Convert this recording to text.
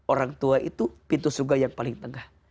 orang tua itu pintu surga yang paling tengah